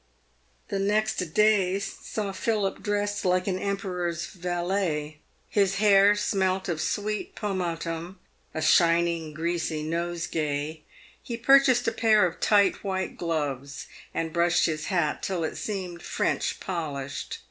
The next day saw Philip dressed like an emperor's valet. His hair smelt of sweet pomatum — a shining, greasy nosegay. He purchased a pair of tight white gloves, and brushed his hat till it seemed French polished.